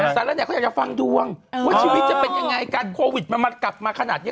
แล้วเขาอยากจะฟังดวงว่าชีวิตจะเป็นอย่างไรการโควิดมันกลับมาขนาดนี้